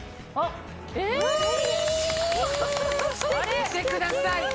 見てください。